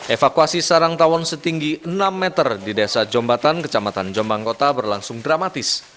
evakuasi sarang tawon setinggi enam meter di desa jombatan kecamatan jombang kota berlangsung dramatis